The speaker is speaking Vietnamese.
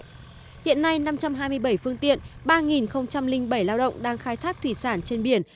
hiện nay năm trăm hai mươi bảy phương tiện ba bảy lao động đang khai thác thủy sản trên biển